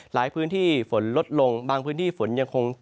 หลายพื้นที่ฝนลดลงบางพื้นที่ฝนยังคงตกอยู่แน่นอนครับ